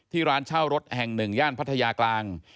ที่ร้านเช่ารถแห่ง๑ย่านพัทยากลาง